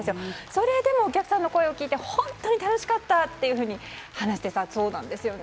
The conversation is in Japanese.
それでもお客さんの声を聞いて本当に楽しかったというふうに話していたそうなんですね。